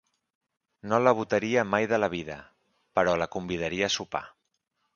No la votaria mai de la vida, però la convidaria a sopar.